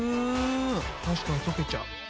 確かに溶けちゃう。